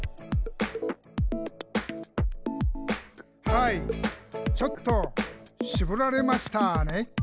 「はいちょっとしぼられましたね」